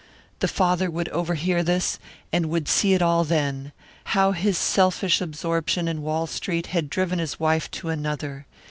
The father would overhear this, and would see it all then: how his selfish absorption in Wall Street had driven his wife to another.